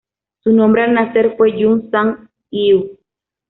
Su nombre al nacer fue Yun Sang-gyu.